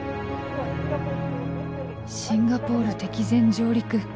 「シンガポール敵前上陸！